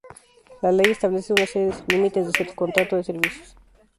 La Ley establece una serie de límites del contrato de servicios.